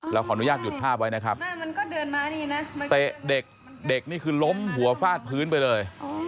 เราขออนุญาตหยุดภาพไว้นะครับเตะเด็กนี่คือล้มหัวฟาดพื้นไปเลย